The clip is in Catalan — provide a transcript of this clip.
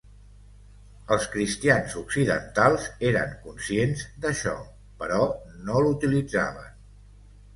Els cristians occidentals eren conscients d'això, però no l'utilitzaven.